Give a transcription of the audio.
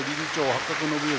八角信芳